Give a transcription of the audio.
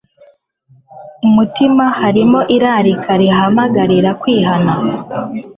umutima harimo irarika ribahamagarira kwihana